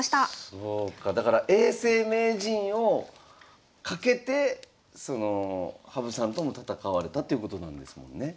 そうかだから永世名人を懸けて羽生さんとも戦われたということなんですもんね。